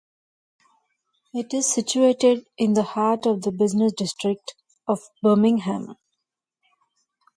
It is situated in the heart of the business district of Birmingham.